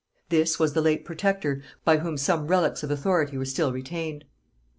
This was the late protector, by whom some relics of authority were still retained.